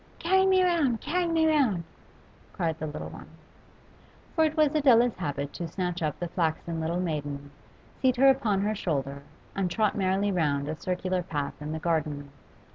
'Carry me round! carry me round!' cried the little one. For it was Adela's habit to snatch up the flaxen little maiden, seat her upon her shoulder, and trot merrily round a circular path in the garden.